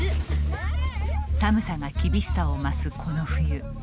寒さが厳しさを増すこの冬